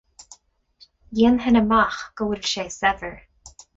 Dhéanfainn amach go bhfuil sé saibhir.